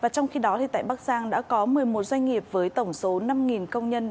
trong khi đó tại bắc giang đã có một mươi một doanh nghiệp với tổng số năm công nhân